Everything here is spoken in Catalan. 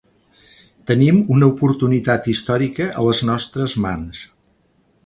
Tenim una oportunitat històrica a les nostres mans.